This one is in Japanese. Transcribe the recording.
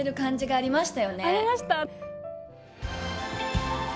ありました。